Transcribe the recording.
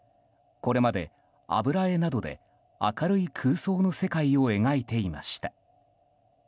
これまで油絵などで明るい空想の世界を描いていました。